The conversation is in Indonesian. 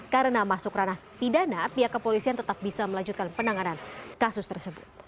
karena masuk ranah pidana pihak kepolisian tetap bisa melanjutkan penanganan kasus tersebut